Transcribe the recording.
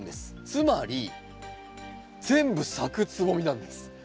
つまり全部咲くつぼみなんです。